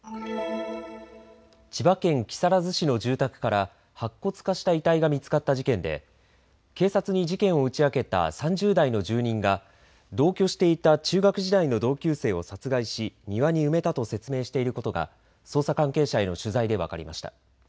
千葉県木更津市の住宅から白骨化した遺体が見つかった事件で警察に事件を打ち明けた３０代の住人が同居していた中学時代の同級生を殺害し庭に埋めたと説明していることが捜査関係者への取材で分かりました。